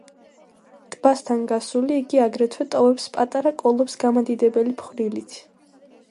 ტბასთან გასული, იგი აგრეთვე ტოვებს პატარა კოლოფს გამადიდებელი ფხვნილით.